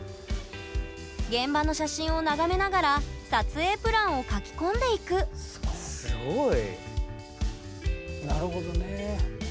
現場の写真を眺めながら撮影プランを書き込んでいくすごい。